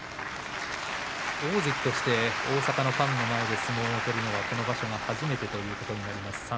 大関として大阪のファンの前で相撲を取るのはこの場所が初めてということです。